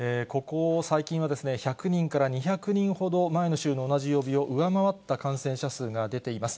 ここ最近は、１００人から２００人ほど、前の週の同じ曜日を上回った感染者数が出ています。